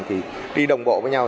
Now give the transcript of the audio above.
thì đi đồng bộ với nhau